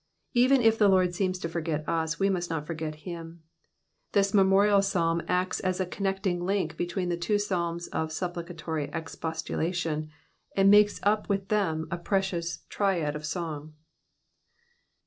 Even if the Lord seems to forget us, toe must not forget him. This memorial Psalm acts as a connecting Unk heticeen the tioo Psalms of stj^icatory expostulation, and makes up with them a precious triad of song.